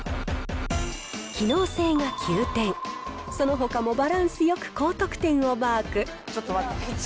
機能性が９点、そのほかもバランスよく高得点をマーク。